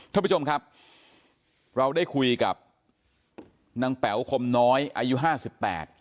ท่านผู้ชมครับเราได้คุยกับนางแป๋วคมน้อยอายุห้าสิบแปด